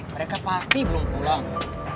mereka pasti belum pulang